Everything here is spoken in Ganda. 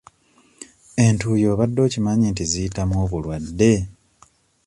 Entuuyo obadde okimanyi nti ziyitamu obulwadde?